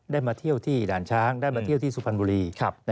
มาเที่ยวที่ด่านช้างได้มาเที่ยวที่สุพรรณบุรี